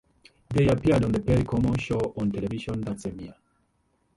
They appeared on the Perry Como Show on television that same year.